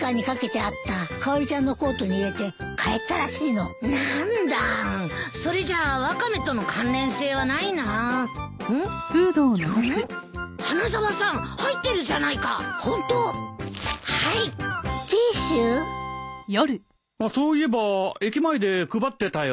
あっそういえば駅前で配ってたよ。